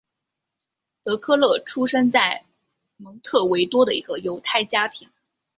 德克勒出生在蒙特维多的一个犹太家庭。